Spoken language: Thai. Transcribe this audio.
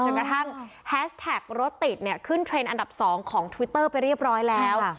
กระทั่งแฮชแท็กรถติดเนี่ยขึ้นเทรนด์อันดับ๒ของทวิตเตอร์ไปเรียบร้อยแล้ว